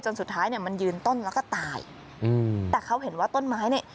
สุดท้ายเนี่ยมันยืนต้นแล้วก็ตายอืมแต่เขาเห็นว่าต้นไม้เนี่ย